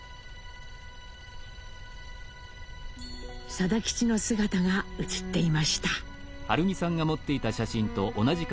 定吉の姿が映っていました。